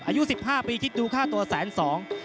อายุ๑๕ปีคิดดูค่าตัวแสนสอง